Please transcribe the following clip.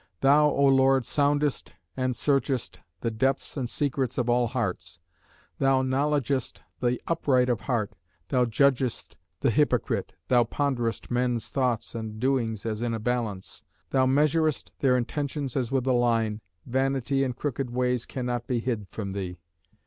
Thou (O Lord) soundest and searchest the depths and secrets of all hearts; thou knowledgest the upright of heart, thou judgest the hypocrite, thou ponderest men's thoughts and doings as in a balance, thou measurest their intentions as with a line, vanity and crooked ways cannot be hid from thee.